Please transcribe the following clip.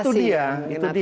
itu dia itu dia